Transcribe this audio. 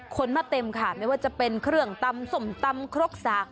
คนมาเต็มค่ะไม่ว่าจะเป็นเครื่องตำส้มตำครกสาก